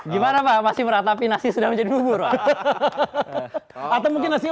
gimana pak masih meratapi nasi sudah menjadi bubur atau mungkin nasi